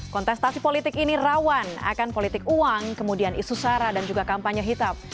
kontestasi politik ini rawan akan politik uang kemudian isu sara dan juga kampanye hitam